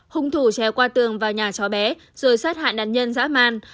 hùng thủ treo qua tường vào nhà cho bé rồi sát hại nạn nhân dã man